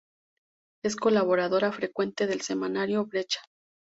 Es colaboradora frecuente del semanario Brecha.